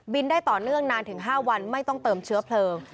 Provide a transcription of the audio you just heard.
ได้ต่อเนื่องนานถึง๕วันไม่ต้องเติมเชื้อเพลิง